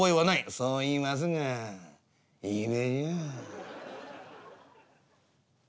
「そう言いますがいいでしょ」。